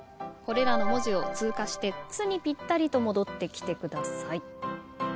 これらの文字を通過して「つ」にぴったりと戻ってきてください。